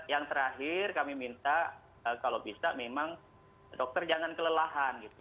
yang terakhir kami minta kalau bisa memang dokter jangan kelelahan gitu